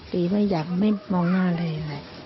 ตีไม่อยากไม่มองหน้าเลยค่ะ